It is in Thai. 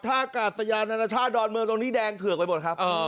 ท่ากาศยานานาชาติดอนเมืองตรงนี้แดงเถือกไปหมดครับ